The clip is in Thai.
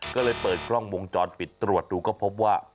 ก็เลยเปิดกล้องวงจรปิดตรวจดูก็พบว่า